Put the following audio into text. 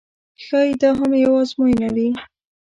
ښایي دا هم یوه آزموینه وي.